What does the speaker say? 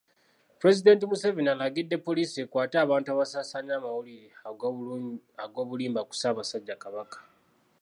Pulezidenti Museveni alagidde poliisi ekwate abantu abasaasaanya amawulire ag’obulimba ku Ssaabasajja Kabaka.